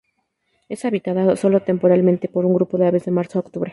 Es habitada sólo temporalmente por un grupo de aves de marzo a octubre.